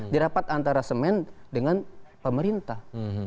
di rapat antara semen dengan pemerintah